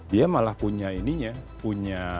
dia malah punya ininya